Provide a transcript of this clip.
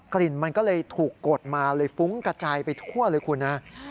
กลิ่นมันก็เลยถูกกดมาเลยฟุ้งกระจายไปทั่วเลยคุณนะ